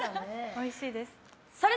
おいしいです。